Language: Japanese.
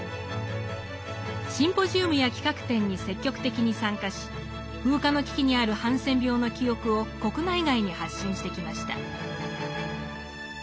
シンポジウムや企画展に積極的に参加し風化の危機にあるハンセン病の記憶を国内外に発信してきました。